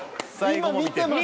今見てますよ。